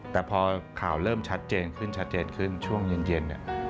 แต่พอข่าวเริ่มชัดเจนขึ้นชัดเจนขึ้นช่วงเย็นเนี่ย